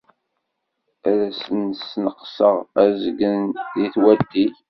Ad as-d-sneqseɣ azgen deg watig.